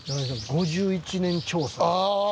５１年調査。